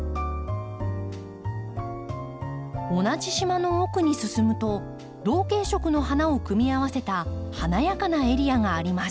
同じ島の奥に進むと同系色の花を組み合わせた華やかなエリアがあります。